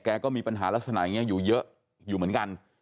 ก็มีปัญหาลักษณะอย่างนี้อยู่เยอะอยู่เหมือนกัน